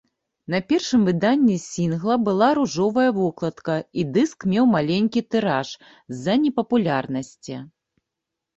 На першым выданні сінгла была ружовая вокладка і дыск меў маленькі тыраж, з-за непапулярнасці.